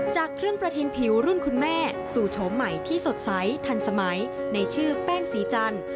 จากเครื่องประทินผิวรุ่นคุณแม่สู่โฉมใหม่ที่สดใสทันสมัยในชื่อแป้งสีจันทร์